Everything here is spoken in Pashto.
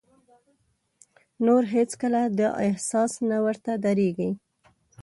نور هېڅ کله دا احساس نه ورته درېږي.